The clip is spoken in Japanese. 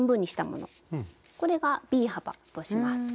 これがＢ幅とします。